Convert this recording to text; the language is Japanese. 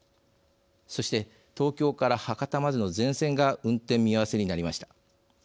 そして東京から博多までの全線が運転見合わせになりました。